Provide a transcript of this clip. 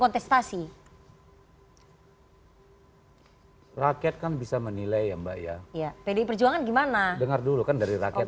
kontestasi rakyat kan bisa menilai ya mbak ya pdi perjuangan gimana dengar dulu kan dari rakyat